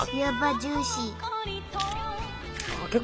ジューシー！